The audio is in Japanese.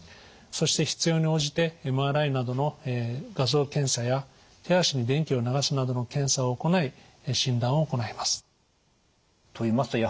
そして必要に応じてＭＲＩなどの画像検査や手足に電気を流すなどの検査を行い診断を行います。